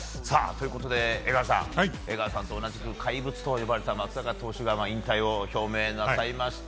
江川さんと同じく怪物と呼ばれた松坂投手が引退を表明なさいました。